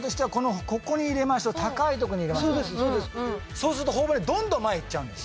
そうすると頬骨どんどん前行っちゃうんです。